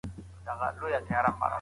ښه ملګري انسان ته نوې هیلې ورکوي.